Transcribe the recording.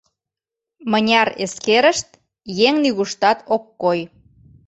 Мыняр эскерышт, еҥ нигуштат ок кой.